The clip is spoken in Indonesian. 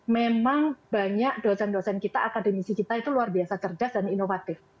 memang banyak dosen dosen kita akademisi kita itu luar biasa cerdas dan inovatif